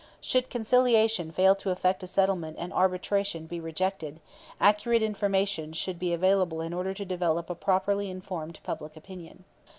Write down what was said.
Should conciliation fail to effect a settlement and arbitration be rejected, accurate information should be available in order to develop a properly informed public opinion.